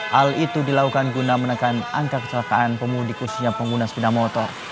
hal itu dilakukan guna menekan angka kecelakaan pemudik khususnya pengguna sepeda motor